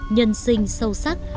nhân sinh sâu sắc